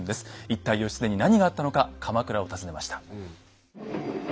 一体義経に何があったのか鎌倉を訪ねました。